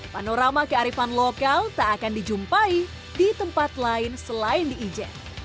panorama kearifan lokal tak akan dijumpai di tempat lain selain di ijen